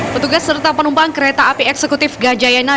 petugas serta penumpang kereta api eksekutif gajayana